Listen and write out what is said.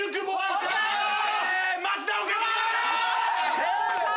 正解！